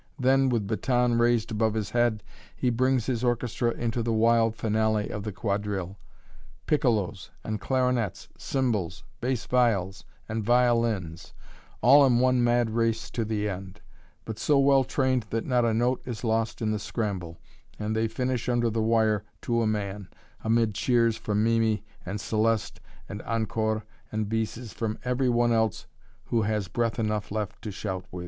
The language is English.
Then, with baton raised above his head, he brings his orchestra into the wild finale of the quadrille piccolos and clarinets, cymbals, bass viols, and violins all in one mad race to the end, but so well trained that not a note is lost in the scramble and they finish under the wire to a man, amid cheers from Mimi and Céleste and "encores" and "bis's" from every one else who has breath enough left to shout with.